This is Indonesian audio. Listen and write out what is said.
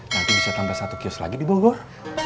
nanti bisa tambah satu kios lagi di bogor